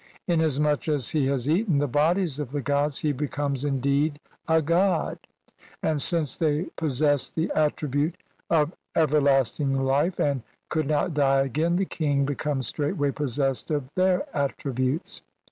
Inasmuch as he has eaten the bodies of the gods he becomes indeed a god, and since they possessed the attribute of ever lasting life and could not die again, the king becomes straightway possessed of their attributes.